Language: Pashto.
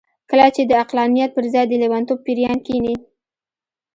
کله چې د عقلانيت پر ځای د لېونتوب پېريان کېني.